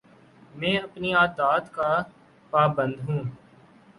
میں اپنی عادات کا پابند ہوں